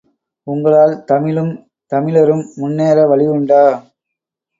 உங்களால் தமிழும் தமிழரும் முன்னேற வழியுண்டா?